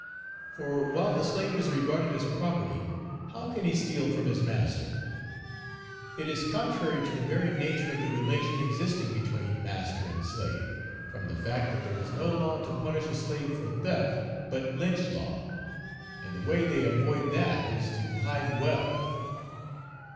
For while the slave is regarded as property, how can he steal from his master? It is contrary to the very nature of the relation existing between master and slave, from the fact that there is no law to punish a slave for theft, but lynch law; and the way they avoid that is to hide well.